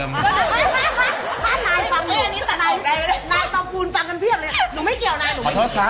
น้านายฟังดูนาย